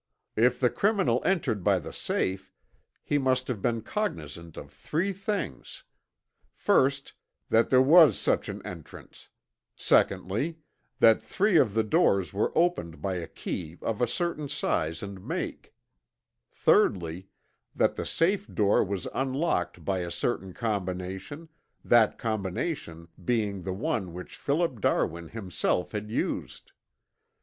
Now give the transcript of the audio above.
"If the criminal entered by the safe, he must have been cognizant of three things: first, that there was such an entrance; secondly, that three of the doors were opened by a key of a certain size and make; thirdly, that the safe door was unlocked by a certain combination, that combination being the one which Philip Darwin himself had used.